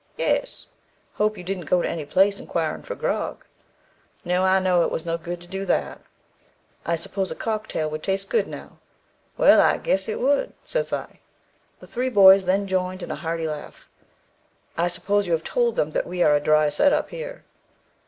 'Yes.' 'Hope you didn't go to any place inquiring for grog.' 'No, I knowed it was no good to do that.' 'I suppose a cock tail would taste good now.' 'Well, I guess it would,' says I. The three boys then joined in a hearty laugh. 'I suppose you have told 'em that we are a dry set up here?'